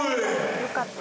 よかった。